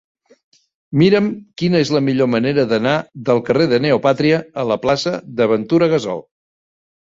Mira'm quina és la millor manera d'anar del carrer de Neopàtria a la plaça de Ventura Gassol.